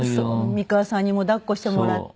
美川さんにも抱っこしてもらって。